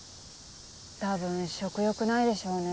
多分食欲ないでしょうね。